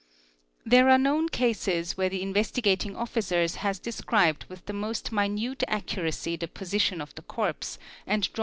There are known cases where the Investigating Officer has describe with the most minute accuracy the position of the corpse and draw.